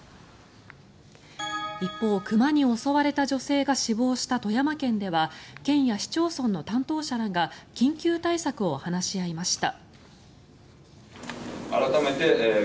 一方、熊に襲われた女性が死亡した富山県では県や市町村の担当者らが緊急対策を話し合いました。